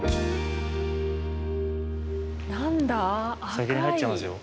先に入っちゃいますよ。